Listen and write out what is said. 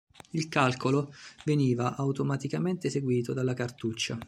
Il calcolo veniva automaticamente eseguito dalla cartuccia.